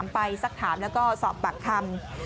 ไปสักถามแล้วก็สอบปากคำ